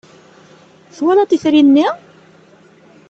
Twalaḍ itri-nni?